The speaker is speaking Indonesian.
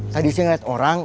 tadi saya ngeliat orang